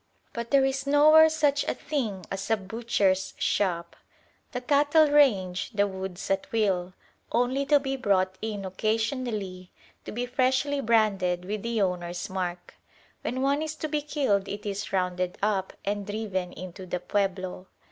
But there is nowhere such a thing as a butcher's shop. The cattle range the woods at will, only to be brought in occasionally to be freshly branded with the owner's mark. When one is to be killed it is "rounded up" and driven in to the pueblo.